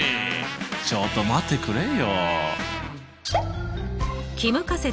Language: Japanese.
ちょっと待ってくれよ。